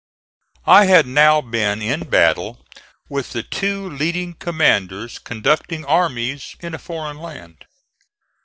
I had now been in battle with the two leading commanders conducting armies in a foreign land.